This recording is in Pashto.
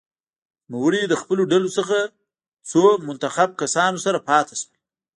نوموړی د خپلو ډلو څو منتخب کسانو سره پاته شول.